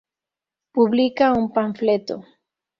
publica un panfleto